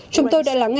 chúng tôi đã lắng nghe